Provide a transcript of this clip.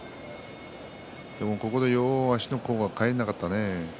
ここでよく両足の方がよく返らなかったね。